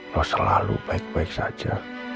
kalau selalu baik baik saja